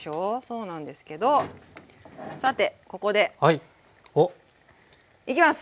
そうなんですけどさてここでいきます！